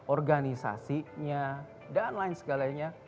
organisasinya dan lain segalanya